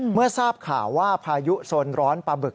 เมื่อทราบข่าวว่าพายุโซนร้อนปลาบึก